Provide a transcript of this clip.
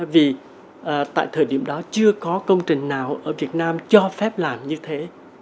vì tại thời điểm đó chưa có công trình nào ở việt nam cho phép làm như thế